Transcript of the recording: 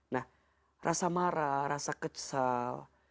nah rasa marah rasa kesal